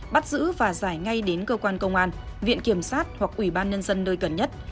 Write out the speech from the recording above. bắt giữ và giải ngay đến cơ quan công an viện kiểm sát hoặc ủy ban nhân dân nơi gần nhất